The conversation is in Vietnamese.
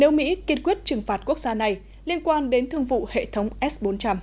nếu mỹ kiên quyết trừng phạt quốc gia này liên quan đến thương vụ hệ thống s bốn trăm linh